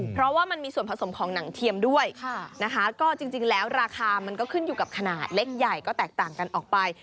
เพราะว่ามันมีส่วนผสมของหนังเทียมด้วยนะคะก็จริงแล้วราคามันก็ขึ้นอยู่กับขนาดเล็กใหญ่ก็แตกต่างกันออกไป